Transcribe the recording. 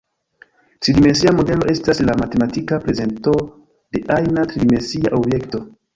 Tridimensia modelo estas la matematika prezento de ajna tridimensia objekto.